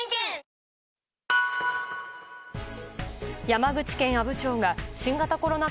山口県阿武町が新型コロナ